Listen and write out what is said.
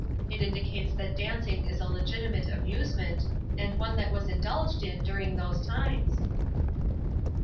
It indicates that dancing is a legitimate amusement, and one that was indulged in during those times."